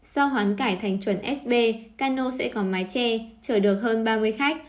do hoán cải thành chuẩn sb cano sẽ có mái che trở được hơn ba mươi khách